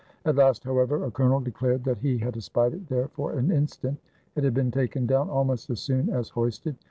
At last, however, a colonel declared that he had espied it there for an instant ; it had been taken down almost as soon as hoisted.